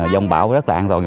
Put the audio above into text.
dông bão rất là an toàn